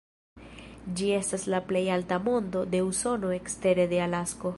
Ĝi estas la plej alta monto de Usono ekstere de Alasko.